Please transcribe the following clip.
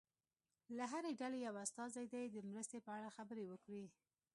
له هرې ډلې یو استازی دې د مرستې په اړه خبرې وکړي.